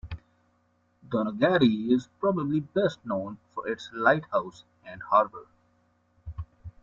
Donaghadee is probably best known for its lighthouse and harbour.